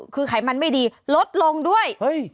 คือไขมันไม่ดีลดลงด้วย